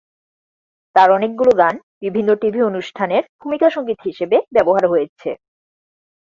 তার অনেকগুলো গান বিভিন্ন টিভি অনুষ্ঠানের ভুমিকা সংগীত হিসেবে ব্যবহার হয়েছে।